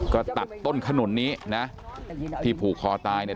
ก็ตัดต้นขนุนนี้นะที่ผูกคอตายเนี่ย